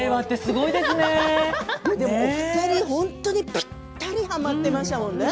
お二人、本当にぴったりはまっていましたものね。